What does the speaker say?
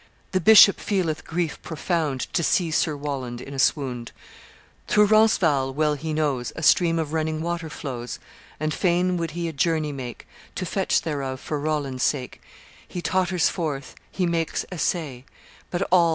"The bishop feeleth grief profound To see Sir Roland in a swound. Through Roncesvalles, well he knows, A stream of running water flows, And fain would he a journey make To fetch thereof for Roland's sake, He totters forth; he makes essay; But all!